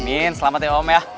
amin selamat ya om ya